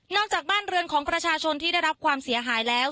จากบ้านเรือนของประชาชนที่ได้รับความเสียหายแล้ว